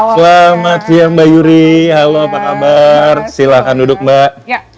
selamat siang mbak yuri halo apa kabar silahkan duduk mbak